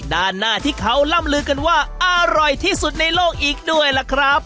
ด้านหน้าที่เขาล่ำลือกันว่าอร่อยที่สุดในโลกอีกด้วยล่ะครับ